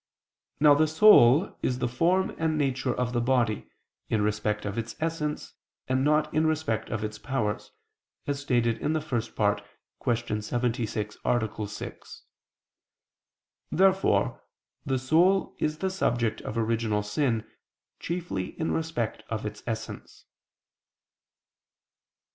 Now the soul is the form and nature of the body, in respect of its essence and not in respect of its powers, as stated in the First Part (Q. 76, A. 6). Therefore the soul is the subject of original sin chiefly in respect of its essence.